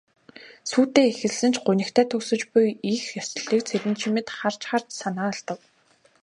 Сүртэй эхэлсэн ч гунигтай төгсөж буй их ёслолыг Цэрэнчимэд харж харж санаа алдав.